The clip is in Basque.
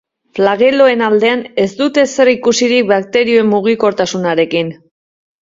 Flageloen aldean, ez dute zer ikusirik bakterioen mugikortasunarekin.